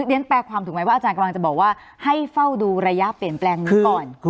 เดี๋ยนแปลความว่าเอาให้เฝ้ารายยาเปลี่ยนแบบร่างหนึ่งวันนึกก่อน